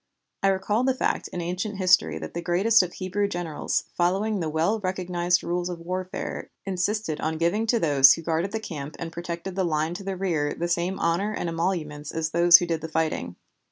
I recalled the fact in ancient history that the greatest of Hebrew generals, following the well recognized rules of warfare, insisted on giving to those who guarded the camp and protected the line to the rear the same honor and emoluments as those who did the fighting.